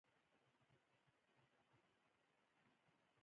غونډې، د چاپېریال پاک کاري.